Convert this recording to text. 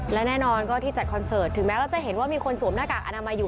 และแน่นอนก็ที่จัดคอนเสิร์ตถึงแม้เราจะเห็นว่ามีคนสวมหน้ากากอนามัยอยู่